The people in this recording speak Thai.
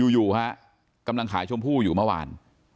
อยู่ฮะกำลังขายชมพู่อยู่เมื่อวาน